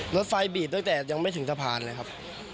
รถไฟบีดตั้งแต่ยังไม่ถึงสะพานเลยครับ